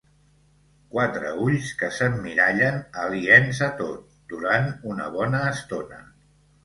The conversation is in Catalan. Quatre ulls que s'emmirallen, aliens a tot, durant una bona estona.